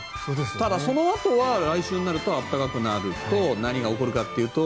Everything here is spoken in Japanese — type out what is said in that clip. ただそのあとは来週暖かくなると何が起こるかというと